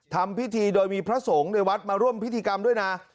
ทำพิธีโดยมีพระสงฆ์ในวัดมาร่วมพิธีกรรมด้วยนะ